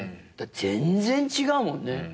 全然違うもんね。